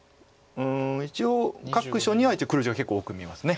一応各所には黒地は結構多く見えます。